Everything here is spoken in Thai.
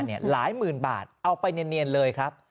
หลายหมื่นบาทเอาไปเนียนเลยครับ